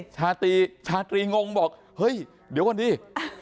ชาตรีงงบอกเฮ้ยเดี๋ยวก่อนดี